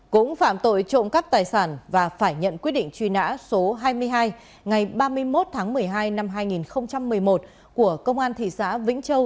cũng phạm tội trộm cắp tài sản và phải nhận quyết định truy nã số hai mươi hai ngày ba mươi một tháng một mươi hai năm hai nghìn một mươi một của công an thị xã vĩnh châu